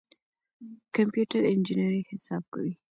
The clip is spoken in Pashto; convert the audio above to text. کمپيوټر انجنيري حساب کوي.